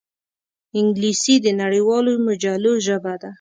انګلیسي د نړیوالو مجلو ژبه ده